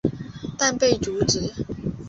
但被阻止。